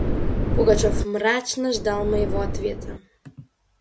Пугачев мрачно ждал моего ответа.